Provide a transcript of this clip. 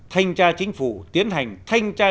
thanh tra chính phủ tiến hành thanh tra